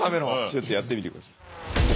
ちょっとやってみて下さい。